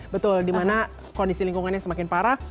betul dimana kondisi lingkungannya semakin parah